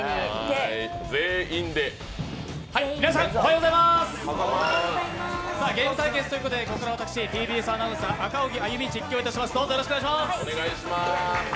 皆さん、おはようございますゲーム対決ということでここからは私ＴＢＳアナウンサー・赤荻歩実況させていただきます。